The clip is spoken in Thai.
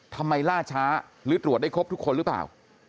ล่าช้าหรือตรวจได้ครบทุกคนหรือเปล่า